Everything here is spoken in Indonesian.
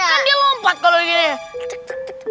kan dia lompat kalau begini